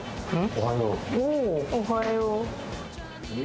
おはよう。